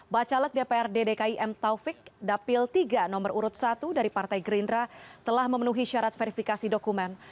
bacalek dprd dki m taufik dapil tiga nomor urut satu dari partai gerindra telah memenuhi syarat verifikasi dokumen